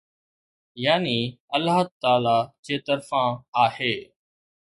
يعني الله تعاليٰ جي طرفان آهي.